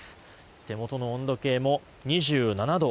手元の温度計も２７度。